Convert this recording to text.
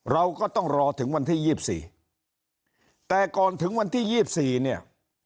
เราก็ต้องรอถึงวันที่๒๔แต่ก่อนถึงวันที่๒๔เนี่ย